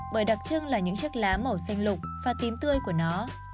bởi đặc trưng là những chiếc lá màu xanh lục và tím tươi của nó